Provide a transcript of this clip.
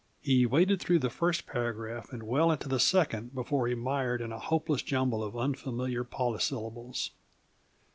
He waded through the first paragraph and well into the second before he mired in a hopeless jumble of unfamiliar polysyllables.